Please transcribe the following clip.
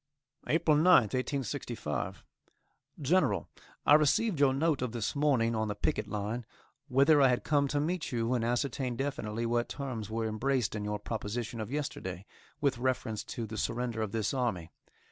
APRIL 9th, 1865. GENERAL: I received your note of this morning, on the picket line, whither I had come to meet you and ascertain definitely what terms were embraced in your proposition of yesterday, with reference to the surrender of this army.